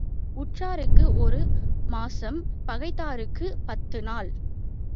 உற்றாருக்கு ஒரு மாசம் பகைத்தாருக்குப் பத்து நாள்.